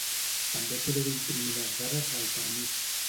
També podeu imprimir les dades del permís.